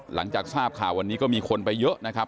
หลังจากทราบข่าววันนี้ก็มีคนไปเยอะนะครับ